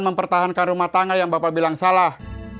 mempertahankan rumah tangga yang bapak bilang salah